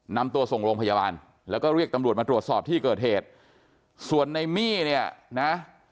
นำตัวส่งโรงพยาบาลแล้วก็เรียกตำรวจมาตรวจสอบที่เกิดเหตุส่วนในมี่เนี่ยนะ